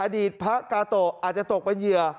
อดีตพระกาโตะอาจจะตกเป็นเหยื่อ